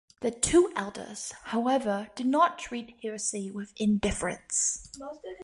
The two elders, however, did not treat heresy with indifference.